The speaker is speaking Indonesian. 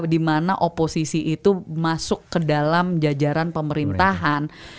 dimana oposisi itu masuk ke dalam jajaran pemerintahan